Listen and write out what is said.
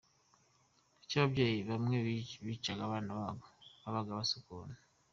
Kuki ababyeyi bamwe bicaga abana babo, babaga basa ukuntu?